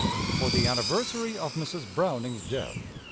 FOR THE ANNIVERSARY OF MRS. BROWNING'S DEATH.